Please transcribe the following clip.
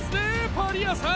パリアさん。